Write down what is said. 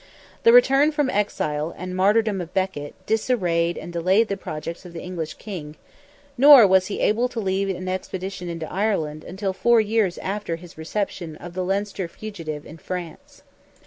The return from exile, and martyrdom of Beckett, disarranged and delayed the projects of the English King; nor was he able to lead an expedition into Ireland until four years after his reception of the Leinster fugitive in France.